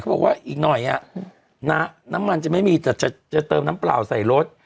บอกว่าอีกหน่อยน้ำมันจะไม่มีแต่จะเติมน้ำเปล่าใส่รถ